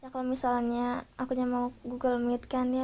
kalau misalnya aku mau google meet kan